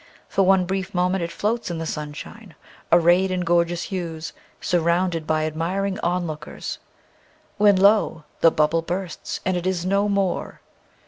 For one brief moment it floats in the sunshine, arrayed in gorgeous hues, surrounded by ad miring onlookers — when lo! the bubble bursts and it is no more.